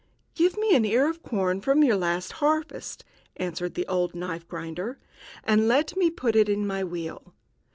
"Give me an ear of corn from your last harvest," answered the old knife grinder, "and let me put it on my wheel."